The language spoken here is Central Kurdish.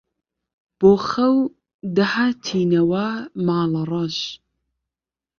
بۆ خەو دەهاتینەوە ماڵەڕەش